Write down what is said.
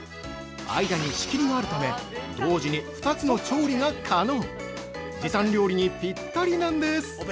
間に仕切りがあるため、同時に２つの調理が可能時短料理にピッタリなんです。